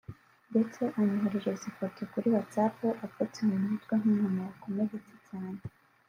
ndetse anyoherereza ifoto kuri Watsapp apfutse ku mutwe nk’umuntu wakomeretse cyane